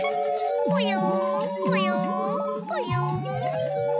ぽよんぽよんぽよん。